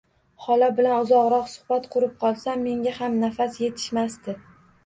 Xola bilan uzoqroq suhbat qurib qolsam, menga ham nafas yetishmas